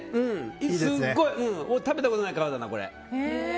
すごい、食べたことない皮だな。